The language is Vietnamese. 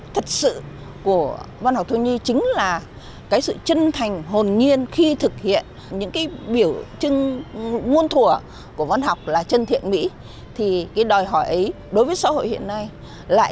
thách thức thật sự của văn học thiếu nhi chính là